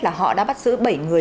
là họ đã bắt giữ bảy người